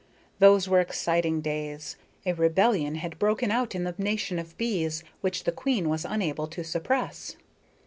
Those were exciting days. A rebellion had broken out in the nation of bees, which the queen was unable to suppress.